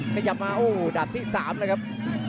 กะยำมาโอ้ดาดที่๓แล้วครับ